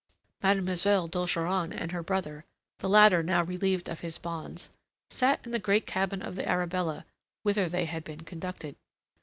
Mademoiselle d'Ogeron and her brother the latter now relieved of his bonds sat in the great cabin of the Arabella, whither they had been conducted.